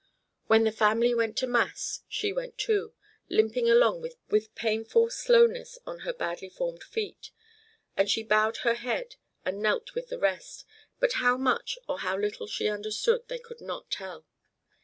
When the family went to mass, she went too, limping along with painful slowness on her badly formed feet, and she bowed her head and knelt with the rest, but how much or how little she understood they could not tell.